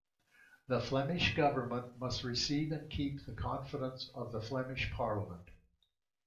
The Flemish Government must receive and keep the confidence of the Flemish Parliament.